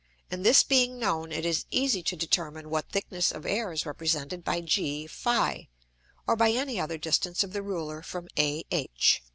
And this being known, it is easy to determine what thickness of Air is represented by G[Greek: ph], or by any other distance of the Ruler from AH.